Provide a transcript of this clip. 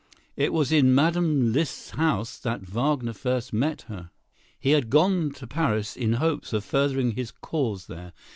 It was in Mme. Liszt's house that Wagner first met her. He had gone to Paris in hopes of furthering his cause there.